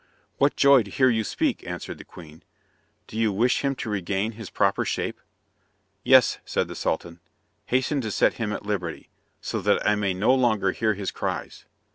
"What joy to hear you speak!" answered the queen. "Do you wish him to regain his proper shape?" "Yes," said the Sultan; "hasten to set him at liberty, so that I may no longer hear his cries."